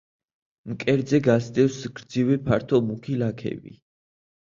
მკერდზე გასდევს გრძივი ფართო მუქი ლაქები.